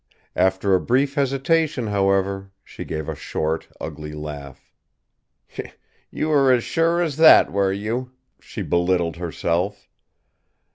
After a brief hesitation, however, she gave a short, ugly laugh. "You were as sure as that, were you!" she belittled herself.